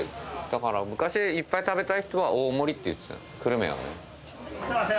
だから昔いっぱい食べたい人は大盛りって言ってたんです。